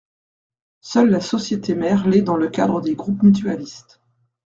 Seule la société mère l’est dans le cadre des groupes mutualistes.